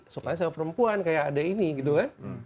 sukanya saya perempuan kayak adek ini gitu kan